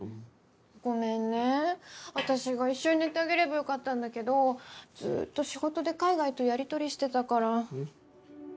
ごめんね私が一緒に寝てあげればよかったんだけどずっと仕事で海外とやり取りしてたから。